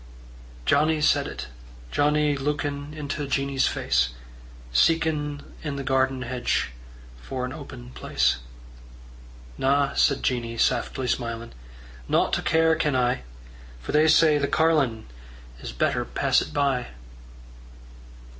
Johnnie said it, Johnnie luikin' Into Jeannie's face; Seekin' in the garden hedge For an open place. "Na," said Jeannie, saftly smilin', "Nought o' care ken I; For they say the carlin' Is better passit by."